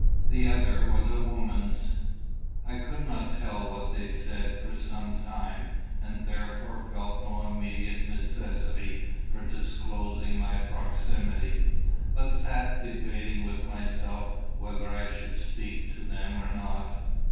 The other was a woman's. I could not tell what they said for some time, and therefore felt no immediate necessity for disclosing my proximity, but sat debating with myself whether I should speak to them or not.